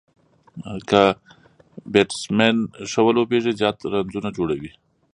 که بيټسمېن ښه ولوبېږي، زیات رنزونه جوړوي.